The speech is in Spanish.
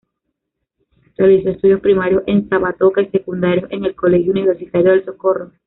Realizó estudios primarios en Zapatoca y secundarios en el Colegio Universitario del Socorro.